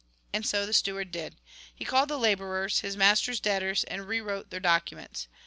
And so the steward did. He called the labourers, his master's debtors, and re wrote their documents.